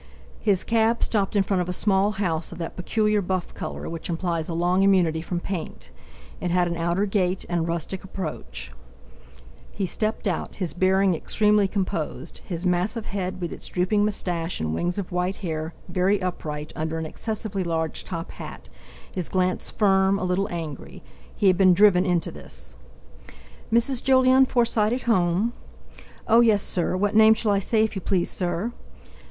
His cab stopped in front of a small house of that peculiar buff colour which implies a long immunity from paint. It had an outer gate, and a rustic approach. He stepped out, his bearing extremely composed; his massive head, with its drooping moustache and wings of white hair, very upright, under an excessively large top hat; his glance firm, a little angry. He had been driven into this! "Mrs. Jolyon Forsyte at home?" "Oh, yes sir!—what name shall I say, if you please, sir?"